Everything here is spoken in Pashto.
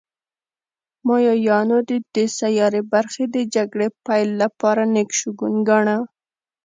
مایایانو د دې سیارې برخې د جګړې پیل لپاره نېک شګون گاڼه